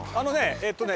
えっとね